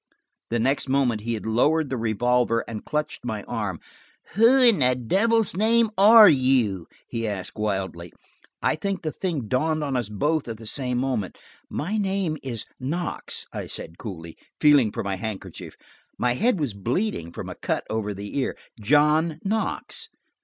The next moment he had lowered the revolver and clutched my arm. "Who in the devil's name are you?" he asked wildly. I think the thing dawned on us both at the same moment. "My name is Knox," I said coolly, feeling for my handkerchief–my head was bleeding from a cut over the ear–"John Knox."